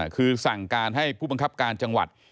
คือสั่งการให้ผู้บังคับการจังหวัด